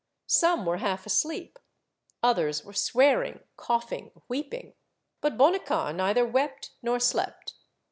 Some were half asleep, others were swearing, coughing, weeping. But Bonnicar nei ther wept nor slept.